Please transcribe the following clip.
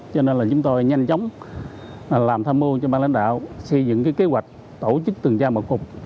cho nên là chúng tôi nhanh chóng làm tham mưu cho ban lãnh đạo xây dựng cái kế hoạch tổ chức tường tra mật phục